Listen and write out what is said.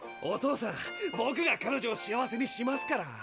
お父さんぼくが彼女を幸せにしますから。